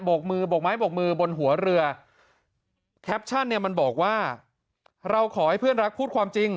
กมือบกไม้บกมือบนหัวเรือแคปชั่นเนี่ยมันบอกว่าเราขอให้เพื่อนรักพูดความจริง